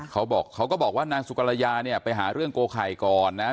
เขาบอกเขาก็บอกว่านางสุกรยาเนี่ยไปหาเรื่องโกไข่ก่อนนะ